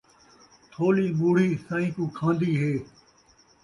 تھولی موڑھی سئیں کوں کھاندی ہے